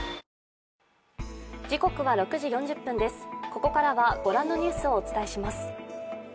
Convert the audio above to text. ここからは御覧のニュースをお伝えします。